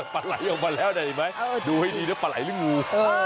ปลาไหลออกมาแล้วได้ไหมดูให้ดีนะปลาไหลหรืองู